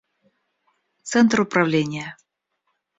Центр управления